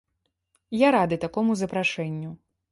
Я рады такому запрашэнню.